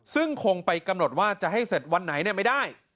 ซึ่งคงไปกำหนดว่าจะให้เสร็จวันไหนไม่ได้